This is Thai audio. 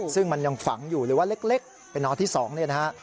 ซึ่งมันยังฝังอยู่หรือว่าเล็กเป็นนอที่๒เนี่ยนะฮะ